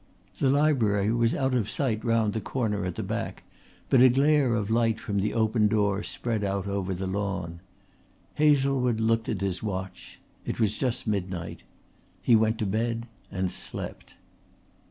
The library was out of sight round the corner at the back, but a glare of light from the open door spread out over the lawn. Hazlewood looked at his watch. It was just midnight. He went to bed and slept.